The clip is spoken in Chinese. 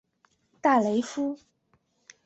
大雷夫。